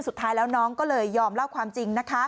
สุดท้ายแล้วน้องก็เลยยอมเล่าความจริงนะคะ